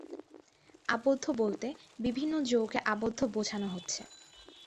আবদ্ধ বলতে বিভিন্ন যৌগে আবদ্ধ বোঝানো হচ্ছে।